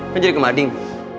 kan jadi ke mading